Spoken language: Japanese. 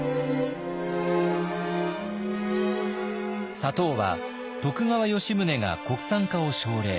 砂糖は徳川吉宗が国産化を奨励。